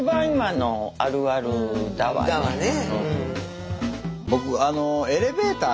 だわね。